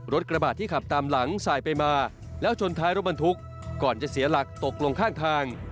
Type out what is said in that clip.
กระบาดที่ขับตามหลังสายไปมาแล้วชนท้ายรถบรรทุกก่อนจะเสียหลักตกลงข้างทาง